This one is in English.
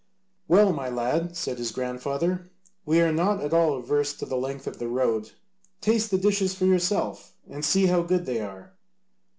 "Well, my lad," said his grandfather, "we are not at all averse to the length of the road: taste the dishes for yourself and see how good they are."